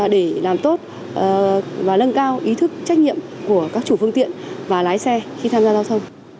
để làm tốt và nâng cao ý thức trách nhiệm của các chủ phương tiện và lái xe khi tham gia giao thông